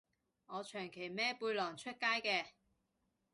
我長期孭背囊出街嘅